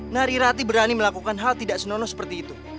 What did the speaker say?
nari rati berani melakukan hal tidak senonoh seperti itu